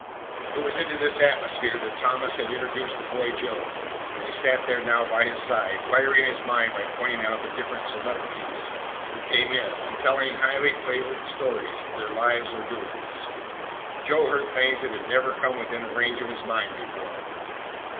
It was into this atmosphere that Thomas had introduced the boy Joe, and he sat there now by his side, firing his mind by pointing out the different celebrities who came in and telling highly flavoured stories of their lives or doings. Joe heard things that had never come within the range of his mind before.